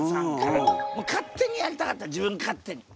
もう勝手にやりたかった自分勝手に。